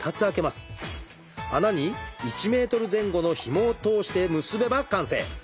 穴に１ｍ前後のひもを通して結べば完成！